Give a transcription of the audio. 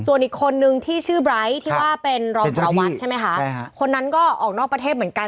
ส่วนอีกคนนึงที่ชื่อที่ว่าเป็นใช่ไหมคะคนนั้นก็ออกนอกประเทศเหมือนกัน